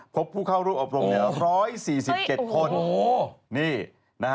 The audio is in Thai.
พบผู้เข้ารู้อบรม๑๔๗คน